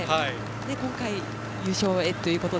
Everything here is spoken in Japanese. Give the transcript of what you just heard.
今回は、優勝へということで。